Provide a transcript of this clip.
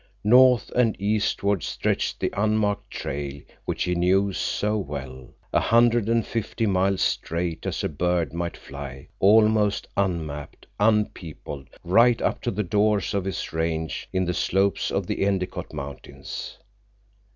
North and eastward stretched the unmarked trail which he knew so well, a hundred and fifty miles straight as a bird might fly, almost unmapped, unpeopled, right up to the doors of his range in the slopes of the Endicott Mountains.